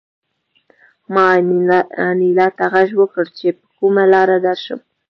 ما انیلا ته غږ وکړ چې په کومه لاره درشم